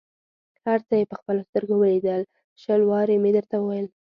هر څه یې په خپلو سترګو ولیدل، شل وارې مې درته وویل.